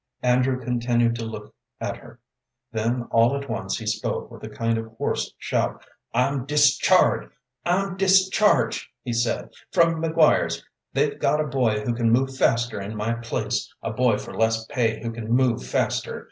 Andrew continued to look at her, then all at once he spoke with a kind of hoarse shout. "I'm discharged! I'm discharged," he said, "from McGuire's; they've got a boy who can move faster in my place a boy for less pay, who can move faster.